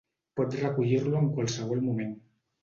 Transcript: Pot recollir-lo en qualsevol moment.